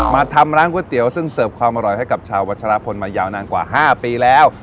มาทำร้านก๋วยเตี๋ยวซึ่งเสิร์ฟความอร่อยให้กับชาววัชรพลมายาวนานกว่า๕ปีแล้ว